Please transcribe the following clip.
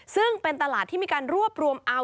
ซึ่งเป็นตลาดที่มีการรวบรวมเอา